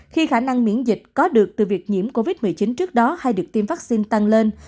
khi khả năng miễn dịch có được từ việc nhiễm covid một mươi chín trước đó hay được tiêm vaccine tăng lên